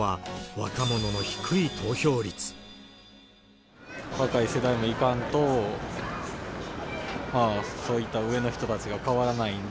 若い世代も行かんと、まあ、そういった上の人たちが変わらないんで。